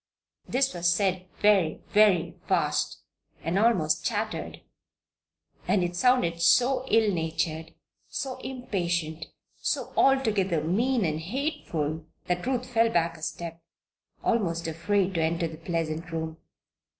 This was said very, very fast almost chattered; and it sounded so ill natured, so impatient, so altogether mean and hateful, that Ruth fell back a step, almost afraid to enter the pleasant room.